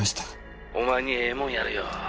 「お前にええもんやるよ」